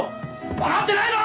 分かってないだろ！